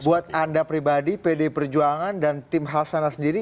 buat anda pribadi pd perjuangan dan tim hasana sendiri